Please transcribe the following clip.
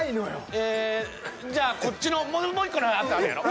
ええじゃあこっちのもう１個のやつあるんやろ。